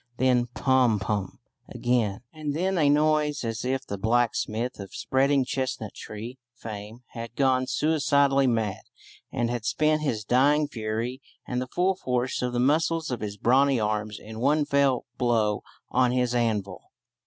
Then Pom poom again, and then a noise as if the blacksmith of "spreading chestnut tree" fame had gone suicidally mad and had spent his dying fury and the full force "of the muscles of his brawny arms" in one fell blow on his anvil.